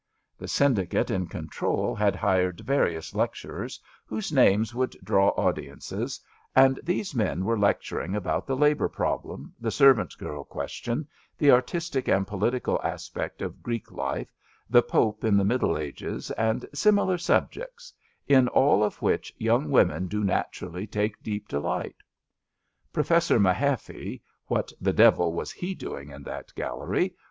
The syndicate in con trol had hired various lecturers whose names would draw audiences, and these men were lectur ing about the labour problem, the servant girl question, the artistic and political aspect of Greek life, the Pope in the Middle Ages and similar sub jects, in all of which young women do naturally take deep delight. Professor Mahaffy (what the devil was he doing in that gallery!)